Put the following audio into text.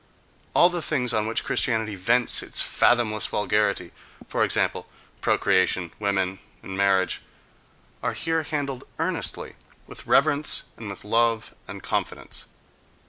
—All the things on which Christianity vents its fathomless vulgarity—for example, procreation, women and marriage—are here handled earnestly, with reverence and with love and confidence.